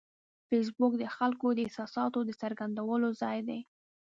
فېسبوک د خلکو د احساساتو د څرګندولو ځای دی